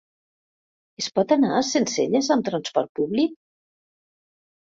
Es pot anar a Sencelles amb transport públic?